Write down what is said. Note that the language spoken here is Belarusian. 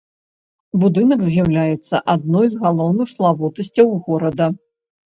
Будынак з'яўляецца адной з галоўных славутасцяў горада.